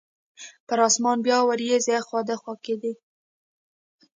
پر اسمان بیا وریځې اخوا دیخوا کیدې.